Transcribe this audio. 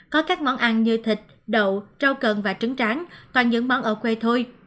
có các món ăn như thịt đậu rau cần và trứng tráng toàn những món ở quê thôi